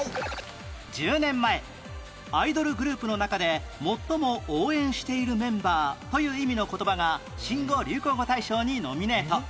１０年前アイドルグループの中で最も応援しているメンバーという意味の言葉が新語・流行語大賞にノミネート